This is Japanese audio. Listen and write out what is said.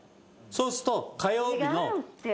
そうすると火曜日の。